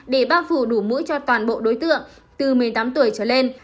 để bao phủ đủ mũi cho toàn bộ đối tượng từ một mươi tám tuổi trở lên